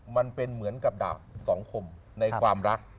มันเป็นเหมือนกับดาวสองคมในความรัก